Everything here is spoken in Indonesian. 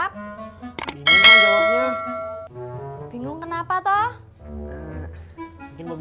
bingung kenapa toh